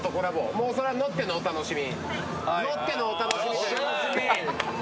もうそれは乗ってのお楽しみ？